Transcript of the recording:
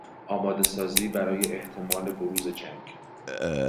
آماده سازی برای احتمال بروز جنگ